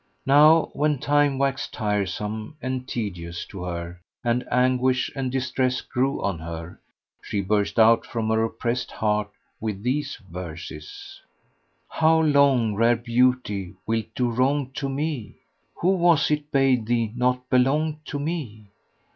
Now when time waxed tiresome and tedious to her and anguish and distress grew on her, she burst out from her oppressed heart with these verses, "How long, rare beauty! wilt do wrong to me? * Who was it bade thee not belong to me?